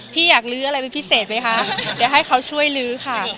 พี่อยากลื้ออะไรเป็นพิเศษไหมคะเดี๋ยวให้เขาช่วยลื้อค่ะ